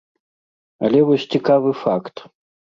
Але вось цікавы факт.